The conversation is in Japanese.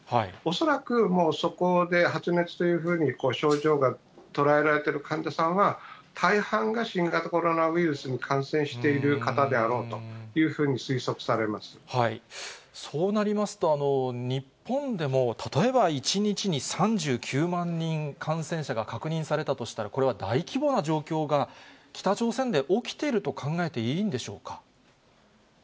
恐らくもうそこで発熱というふうに症状が捉えられてる患者さんは、大半が新型コロナウイルスに感染している方であろうというふうにそうなりますと、日本でも例えば１日に３９万人、感染者が確認されたとしたら、これは大規模な状況が北朝鮮で起きていると考えていいんでしょう